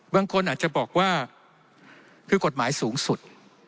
บางคนอาจจะบอกว่าคือกฎหมายสูงสุด